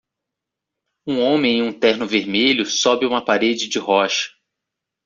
Um homem em um terno vermelho sobe uma parede de rocha